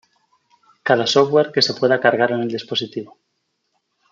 cada software que se pueda cargar en el dispositivo